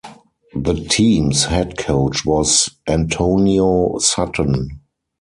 The team's head coach was Antonio Sutton.